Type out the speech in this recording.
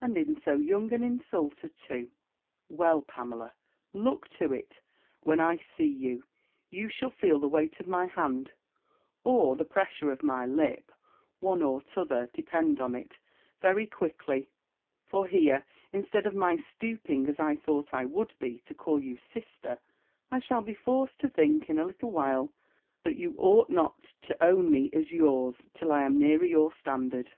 And in so young an insulter too! Well, Pamela, look to it, when I see you: you shall feel the weight of my hand, or the pressure of my lip, one or t'other, depend on it, very quickly; for here, instead of my stooping, as I thought I would be, to call you sister, I shall be forced to think, in a little while, that you ought not to own me as yours, till I am nearer your standard.